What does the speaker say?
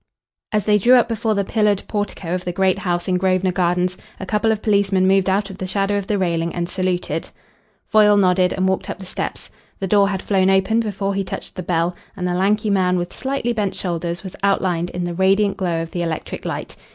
As they drew up before the pillared portico of the great house in Grosvenor Gardens a couple of policemen moved out of the shadow of the railing and saluted. Foyle nodded and walked up the steps. The door had flown open before he touched the bell, and a lanky man with slightly bent shoulders was outlined in the radiant glow of the electric light.